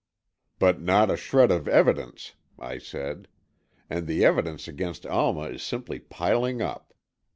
"But not a shred of evidence," I said. "And the evidence against Alma is simply piling up.